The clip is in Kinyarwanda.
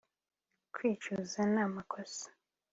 kwicuza n'amakosa